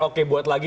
oke buat lagi